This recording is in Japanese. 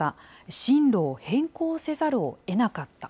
進路を変更せざるをえなかった。